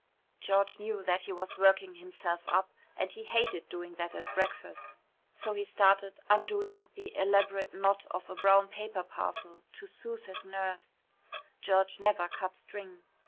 George knew that he was working himself up and he hated doing that at breakfast. So he started undoing the elaborate knot of a brown paper parcel to soothe his nerves George never cut string.